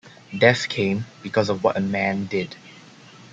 Death came because of what a man did.